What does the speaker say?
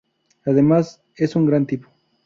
Además es un gran tipo!